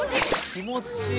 気持ちいい。